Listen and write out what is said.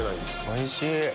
おいしい！